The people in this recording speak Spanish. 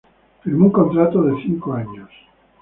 Firmó un contrato de cinco años.